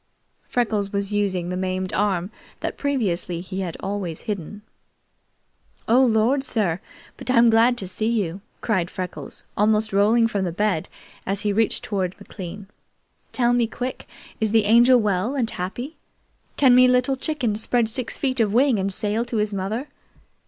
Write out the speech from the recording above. Freckles was using the maimed arm that previously he always had hidden. "Oh Lord, sir, but I'm glad to see you!" cried Freckles, almost rolling from the bed as he reached toward McLean. "Tell me quick, is the Angel well and happy? Can me Little Chicken spread six feet of wing and sail to his mother?